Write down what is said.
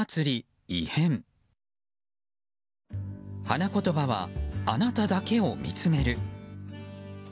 花言葉は「あなただけを見つめる」。